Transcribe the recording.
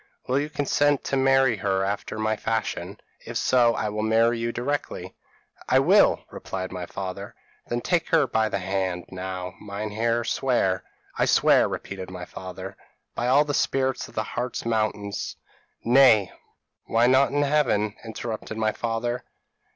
Will you consent to marry her after my fashion? if so, I will marry you directly.' "'I will,' replied my father. "'Then take her by the hand. Now, Meinheer, swear.' "'I swear,' repeated my father. "'By all the spirits of the Hartz mountains ' "'Nay, why not by Heaven?' interrupted my father.